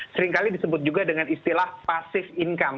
seringkali disebut juga dengan istilah pasif income